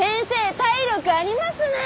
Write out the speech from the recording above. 体力ありますねー。